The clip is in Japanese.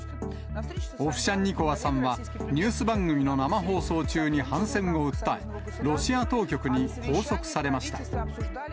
オフシャンニコワさんは、ニュース番組の生放送中に反戦を訴え、ロシア当局に拘束されました。